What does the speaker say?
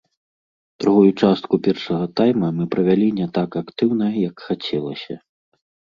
Другую частку першага тайма мы правялі не так актыўна, як хацелася.